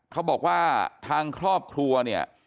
เขาบอกว่าทางครอบครัวเนี่ย